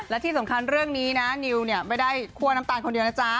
และที่สำคัญเรื่องนี้นะนิวเนี่ยไม่ได้คั่วน้ำตาลคนเดียวนะจ๊ะ